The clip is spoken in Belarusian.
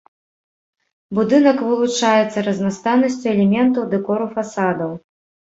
Будынак вылучаецца разнастайнасцю элементаў дэкору фасадаў.